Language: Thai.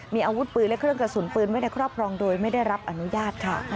มีอาวุธปืนและเครื่องกระสุนปืนไว้ในครอบครองโดยไม่ได้รับอนุญาตค่ะ